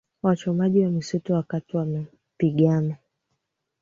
uchomaji wa misitu wakati ya mapigano